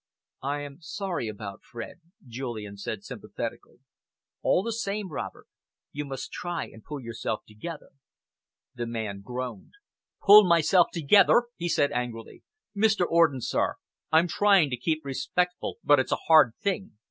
"I am sorry about Fred," Julian said sympathetically. "All the same, Robert, you must try and pull yourself together." The man groaned. "Pull myself together!" he said angrily. "Mr. Orden, sir, I'm trying to keep respectful, but it's a hard thing.